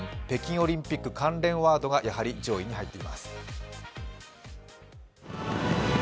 北京オリンピック関連ワードがやはり上位に入っています。